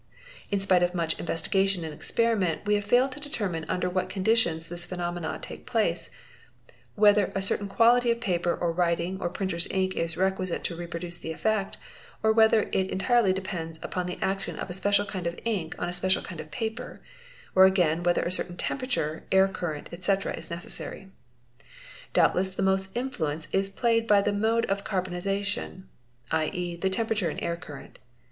In spite of mucl investigation and experiment we have failed to determine under wha conditions this phenomenon takes place, whether a certain quality o paper or writing or printer's ink is requisite to produce the effect, o1 | whether it entirely depends upon the action of a special kind of ink on ¢ special kind of paper, or again whether a certain temperature, air current | etc., is necessary. Doubtless the most influence is played by the mode 0 | carbonisation, 7.¢e., the temperature and air current.